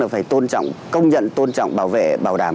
phải công nhận tôn trọng bảo vệ bảo đảm